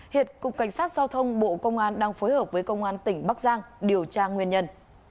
hiện cục cảnh sát giao thông bộ công an đang phối hợp với công an tỉnh bắc giang điều tra nguyên nhân